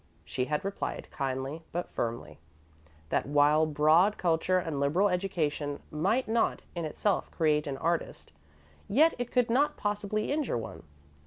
She had replied kindly, but firmly, that while broad culture and liberal education might not, in itself, create an artist, yet it could not possibly injure one.